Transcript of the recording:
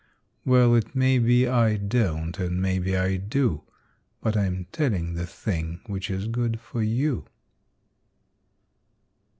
Well, it may be I don't and it may be I do, But I'm telling the thing which is good for you!